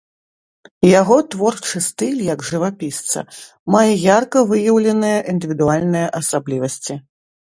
Яго творчы стыль як жывапісца мае ярка выяўленыя індывідуальныя асаблівасці.